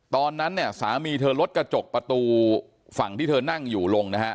ตอนนั้นเนี่ยสามีเธอลดกระจกประตูฝั่งที่เธอนั่งอยู่ลงนะฮะ